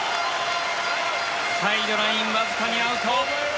サイドライン、わずかにアウト。